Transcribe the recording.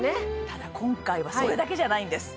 ただ今回はそれだけじゃないんです